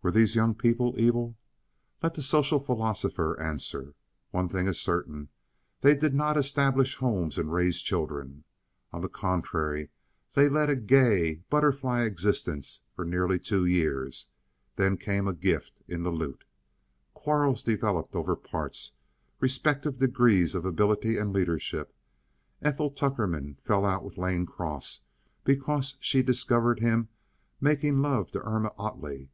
Were these young people evil? Let the social philosopher answer. One thing is certain: They did not establish homes and raise children. On the contrary, they led a gay, butterfly existence for nearly two years; then came a gift in the lute. Quarrels developed over parts, respective degrees of ability, and leadership. Ethel Tuckerman fell out with Lane Cross, because she discovered him making love to Irma Ottley.